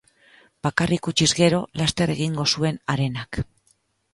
Bakarrik utziz gero, laster egingo zuen harenak.